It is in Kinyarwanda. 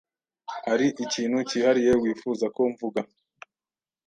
Hari ikintu cyihariye wifuza ko mvuga?